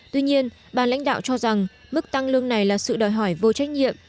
tuy nhiên bà lãnh đạo cho rằng mức tăng lương này là sự đòi hỏi vô trách nhiệm